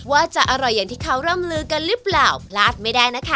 ว่าจะอร่อยอย่างที่เขาร่ำลือกันหรือเปล่าพลาดไม่ได้นะคะ